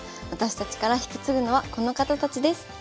私たちから引き継ぐのはこの方たちです。